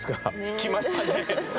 きましたね。